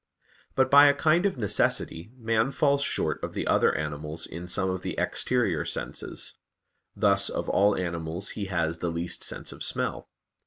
But by a kind of necessity, man falls short of the other animals in some of the exterior senses; thus of all animals he has the least sense of smell.